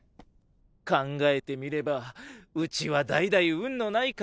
考えてみればうちは代々運のない家系なんだよな。